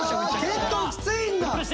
結構きついんだ！